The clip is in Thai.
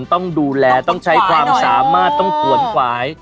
ต้องดูแลต้องใช้ความสามารถต้องขวนขวาย